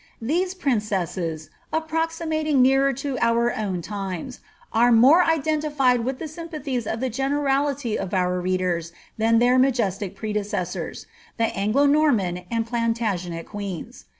These princesses, approximating nearer to our own times, are more identified with the sympathies of the generality of our readers than their majestic predecessors, the Anglo Norman and Plantagenet queens.